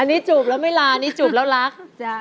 อันนี้จูบแล้วไม่ลานี่จูบแล้วรัก